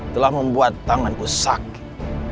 telah membuat tanganku sakit